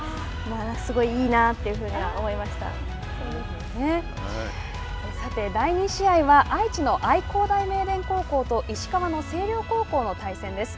すごいいいなっていうふうにはさて、第２試合は愛知の愛工大名電高校と石川の星稜高校の対戦です。